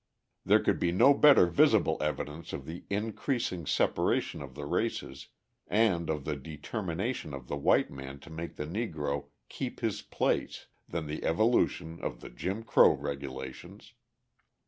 There could be no better visible evidence of the increasing separation of the races, and of the determination of the white man to make the Negro "keep his place," than the evolution of the Jim Crow regulations.